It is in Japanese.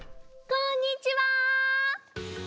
こんにちは！